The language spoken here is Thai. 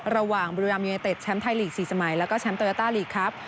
ระหว่างบูรีลามยูเนยเต็ดแชมป์ไทยลีกสี่สมัยแล้วก็แชมป์ตูยาตาลีกครับ